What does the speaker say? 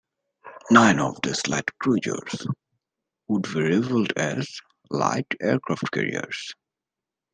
Nine of these light cruisers would be rebuilt as light aircraft carriers.